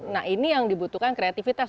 nah ini yang dibutuhkan kreativitas